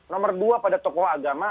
nomor dua pada tokoh agama